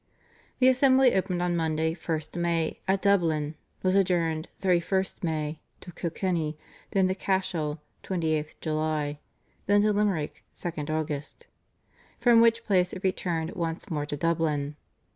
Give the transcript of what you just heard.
The assembly opened on Monday, 1st May, at Dublin, was adjourned (31 May) to Kilkenny, then to Cashel (28 July), then to Limerick (2 Aug.), from which place it returned once more to Dublin.